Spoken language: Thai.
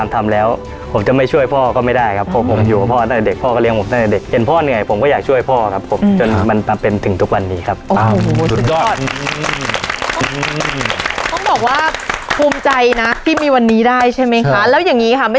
ถ้าย้ายได้ควรอยู่เย็งเย็งกันหรืออยู่ฝั่งเดียวกันก็ได้